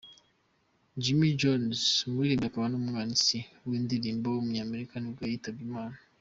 Jimmy Jones, umuririmbyi akaba n’umwanditsi w’indirimbo w’umunyamerika nibwo yitabye Imana.